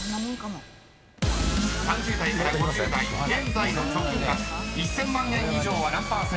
［３０代から５０代現在の貯金額１，０００万円以上は何％か］